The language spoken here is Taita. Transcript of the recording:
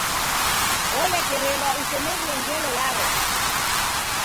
Olekerelwa usemerie ngelo yaro.